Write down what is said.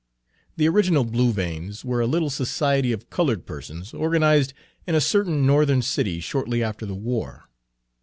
The original Blue Veins were a little society of colored persons organized in a certain Northern city shortly after the war.